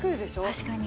確かに。